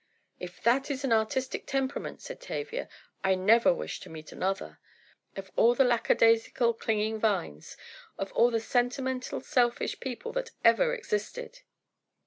"If that is an artistic temperament," said Tavia, "I never wish to meet another. Of all the lackadaisical clinging vines; of all the sentimental, selfish people that ever existed!"